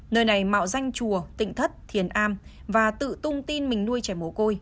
nơi này mạo danh chùa tỉnh thất thiền am và tự tung tin mình nuôi trẻ mổ côi